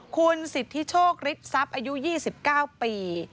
คุณสิทธิโชคฤทธิทรัพย์อายุ๒๙ปี